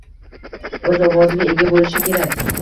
O‘z ovoziga ega bo‘lishi kerak.